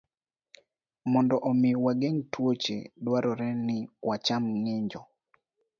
Mondo omi wageng' tuoche, dwarore ni wacham ng'injo